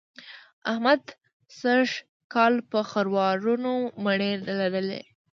احمد سږ کال په خروارونو مڼې لرلې.